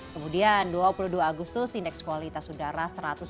kemudian dua puluh dua agustus indeks kualitas udara satu ratus dua puluh